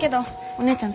お姉ちゃん